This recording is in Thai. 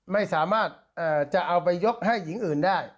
ไม่สามารถจะเอาไปยกให้หญิงอื่นได้